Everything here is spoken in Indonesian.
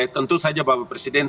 tentu saja bapak presiden